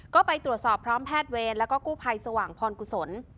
ก็ไปตรวจสอบพร้อมแพทย์เวรแล้วก็กู้ภัยสว่างพรกุศล